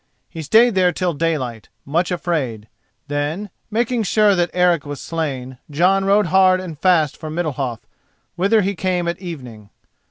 He stayed there till daylight, much afraid; then, making sure that Eric was slain, Jon rode hard and fast for Middalhof, whither he came at evening.